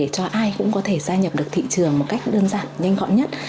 cho ai cũng có thể gia nhập được thị trường một cách đơn giản nhanh gọn nhất